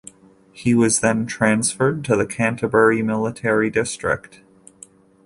He was then transferred to the Canterbury Military District.